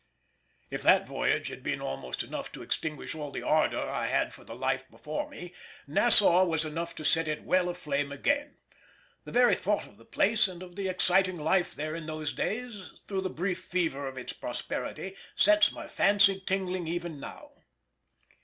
If that voyage had been almost enough to extinguish all the ardour I had for the life before me, Nassau was enough to set it well aflame again. The very thought of the place and of the exciting life there in those days, through the brief fever of its prosperity, sets my fancy tingling even now.